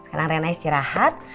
sekarang rena istirahat